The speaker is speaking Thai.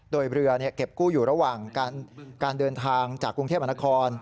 โดยเรือเก็บกู้อยู่ระหว่างการเดินทางจากกรุงเทพมหานคร